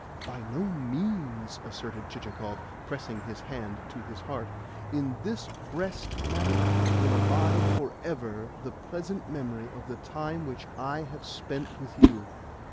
"By no means," asserted Chichikov, pressing his hand to his heart. "In this breast, madam, will abide for ever the pleasant memory of the time which I have spent with you.